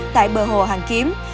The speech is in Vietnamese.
tại bờ hồ hàng kiếm